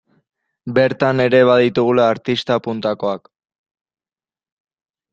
Bertan ere baditugula artista puntakoak.